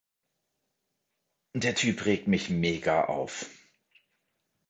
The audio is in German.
Der Typ regt mich mega auf.